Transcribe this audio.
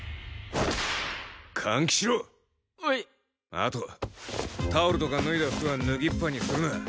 あとタオルとか脱いだ服は脱ぎっぱにするな。